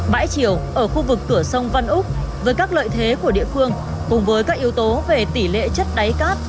bãi chiều ở khu vực cửa sông văn úc với các lợi thế của địa phương cùng với các yếu tố về tỷ lệ chất đáy cát